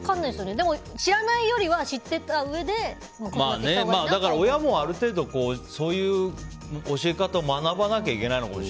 でも知らないよりは知ってたうえで親もある程度そういう教え方を学ばなきゃいけないですね。